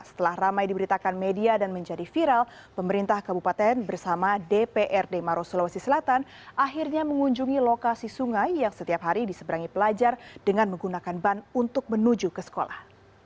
setelah ramai diberitakan media dan menjadi viral pemerintah kabupaten bersama dprd maros sulawesi selatan akhirnya mengunjungi lokasi sungai yang setiap hari diseberangi pelajar dengan menggunakan ban untuk menuju ke sekolah